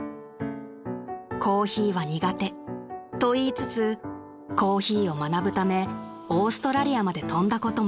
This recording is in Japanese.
［コーヒーは苦手と言いつつコーヒーを学ぶためオーストラリアまで飛んだことも］